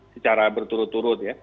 tiga ribu secara berturut turut ya